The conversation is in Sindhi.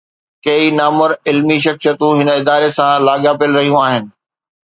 ڪيئي نامور علمي شخصيتون هن اداري سان لاڳاپيل رهيون آهن.